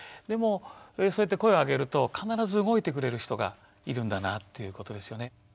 でもそうやって声をあげると必ず動いてくれる人がいるんだなということですよね。